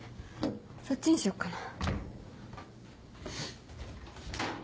そっちにしようかな。